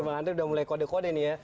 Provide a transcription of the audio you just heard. emang anda udah mulai kode kode nih ya